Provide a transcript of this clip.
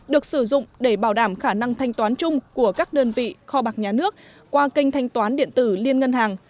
được sử dụng để bảo đảm khả năng thanh toán chung của các đơn vị kho bạc nhà nước qua kênh thanh toán điện tử liên ngân hàng